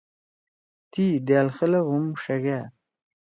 تی دأل خلگ ہُم ݜَگأد۔